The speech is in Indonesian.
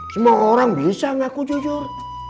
semua orang bisa ngaku jujur